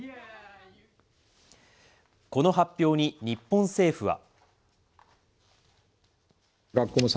この発表に日本政府は。